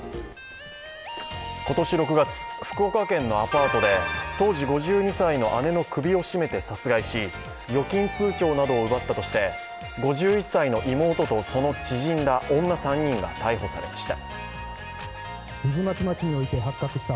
今年６月、福岡県のアパートで当時５２歳の姉の首を絞めて殺害し預金通帳などを奪ったとして５１歳の妹とその知人ら女３人が逮捕されました。